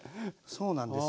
そうなんです。